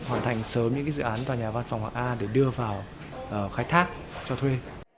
hoàn thành sớm những cái dự án tòa nhà văn phòng hoặc a để đưa vào khách thác cho thuê